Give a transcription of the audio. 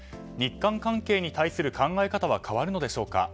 日韓関係に対する考え方は変わるのでしょうか。